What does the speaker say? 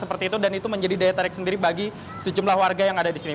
seperti itu dan itu menjadi daya tarik sendiri bagi sejumlah warga yang ada di sini